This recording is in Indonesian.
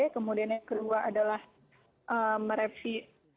kemudian yang kedua adalah merevie